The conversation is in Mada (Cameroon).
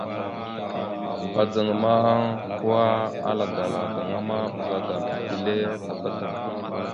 Kudzaŋ ma, kwa, ala dala gaŋa ma, ɓəzagaam etelle tabá tam.